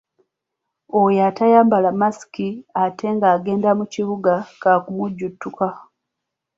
Oyo atayambala masiki ate n’agenda mu kibuga kaakumujjuutuka.